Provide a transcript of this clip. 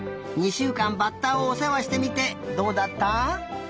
しゅうかんバッタをおせわしてみてどうだった？